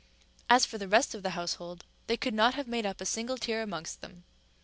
As for the rest of the household, they could not have made up a single tear amongst them.